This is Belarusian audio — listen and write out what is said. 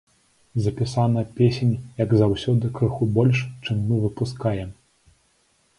Запісана песень, як заўсёды, крыху больш, чым мы выпускаем.